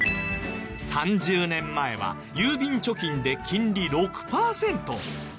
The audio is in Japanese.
３０年前は郵便貯金で金利６パーセント。